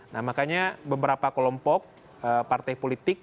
nah makanya beberapa kelompok partai politik